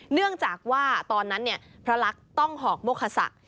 เนื่องจากว่าตอนนั้นเนี่ยพระลักษมณ์ต้องหอกมกษัก